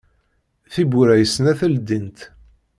Tiwwura i snat ldint.